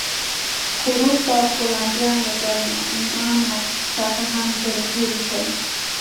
خو وروسته پولنډیان له جرمنانو څخه هم زړه توري شول